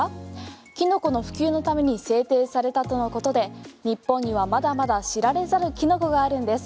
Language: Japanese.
キノコの普及のために制定されたとのことで日本にはまだまだ知られざるキノコがあるんです。